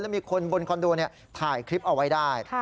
มีคนบนคอนโดถ่ายคลิปเอาไว้ได้